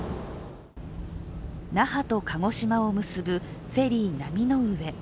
那覇と鹿児島を結ぶフェリー波之上。